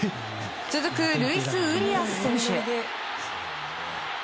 続く、ルイス・ウリアス選手。